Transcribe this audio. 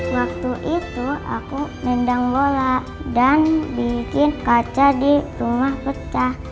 waktu itu aku nendang bola dan bikin kaca di rumah pecah